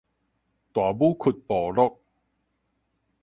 大武窟部落